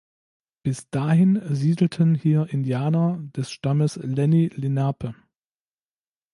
Bis dahin siedelten hier Indianer des Stammes Lenni Lenape.